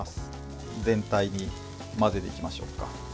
全体に混ぜていきましょうか。